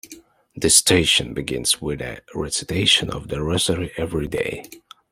The station begins with a recitation of the rosary every day.